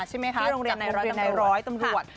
จากโรงเรียนในร้อยตำรวจ